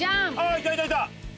いたいたいた！